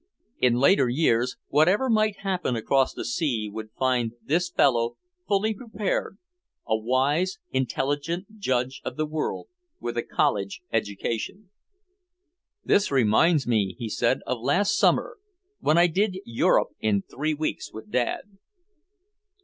In later years, whatever might happen across the sea would find this fellow fully prepared, a wise, intelligent judge of the world, with a college education. "This reminds me," he said, "of last summer when I did Europe in three weeks with Dad."